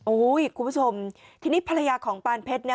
อุ๊ยคุณผู้ชมทีนี้ภรรยาของปานเพชร